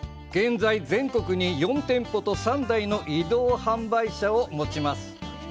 現在、全国に４店舗と３台の移動販売車を持ちます。